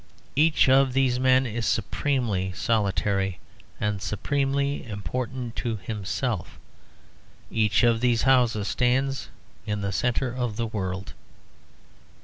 Each of these men is supremely solitary and supremely important to himself. Each of these houses stands in the centre of the world.